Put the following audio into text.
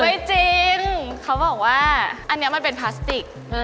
ไม่จริงเขาบอกว่าอันนี้มันเป็นพลาสติก